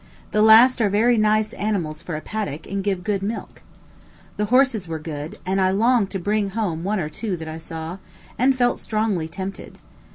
The last are very nice animals for a paddock, and give good milk. The horses were good; and I longed to bring home one or two that I saw, and felt strongly tempted.